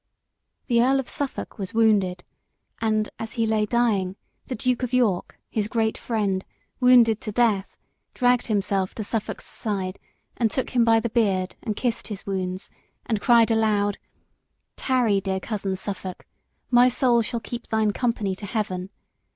The Earl of Suffolk was wounded, and as he lay dying, the Duke of York, his great friend, wounded to death, dragged himself to Suffolk's side and took him by the beard and kissed his wounds, and cried aloud "Tarry, dear Cousin Suffolk, My soul shall keep thine company to heaven.